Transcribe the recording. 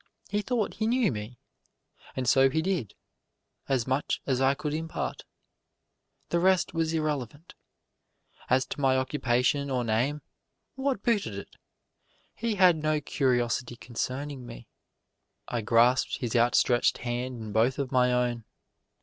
He thought he knew me. And so he did as much as I could impart. The rest was irrelevant. As to my occupation or name, what booted it! he had no curiosity concerning me. I grasped his outstretched hand in both of my own.